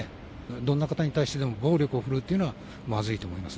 どんな方に対してでも暴力を振るうっていうのはまずいと思います